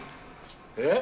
え？